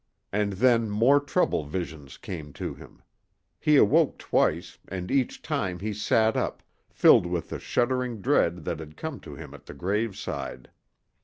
And then more trouble visions came to him. He awoke twice, and each time he sat up, filled with the shuddering dread that had come to him at the graveside.